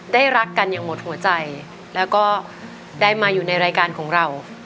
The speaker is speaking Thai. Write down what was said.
รักกันอย่างหมดหัวใจแล้วก็ได้มาอยู่ในรายการของเรา